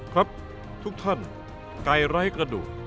ครับทุกท่านไก่ไร้กระดูก